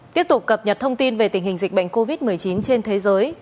tiếp tục cập nhật thông tin về tình hình dịch bệnh covid một mươi chín trên thế giới